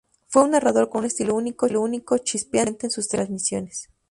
Fue un narrador con un estilo único, chispeante y ocurrente en sus transmisiones.